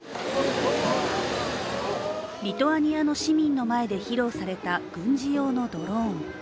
リトアニアの市民の前で披露された軍事用のドローン。